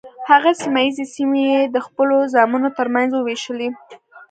هغه سیمه ییزې سیمې یې د خپلو زامنو تر منځ وویشلې.